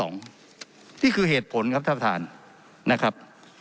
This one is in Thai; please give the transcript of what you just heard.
นี่คือเหตุผลครับท่านประธานนะครับ